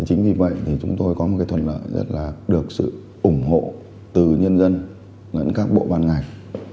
chính vì vậy thì chúng tôi có một thuận lợi rất là được sự ủng hộ từ nhân dân lẫn các bộ ban ngành